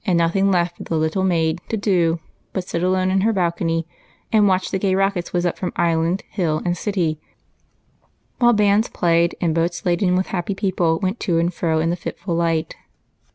ing left for the little maid to do but sit alone in her balcony and watch the gay rockets whizz up from island, hill, and city, while bands played and boats laden with hapj^y peoj^le went to and fro in the fitful light.